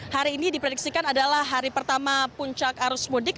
hari ini diprediksikan adalah hari pertama puncak arus mudik